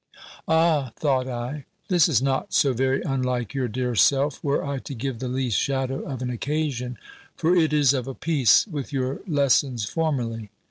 "Ah!" thought I, "this is not so very unlike your dear self, were I to give the least shadow of an occasion; for it is of a piece with your lessons formerly."